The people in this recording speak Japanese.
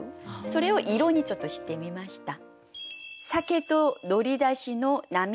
それを色にちょっとしてみました。